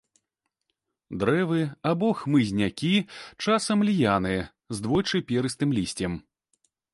Дрэвы або хмызнякі, часам ліяны, з двойчы перыстым лісцем.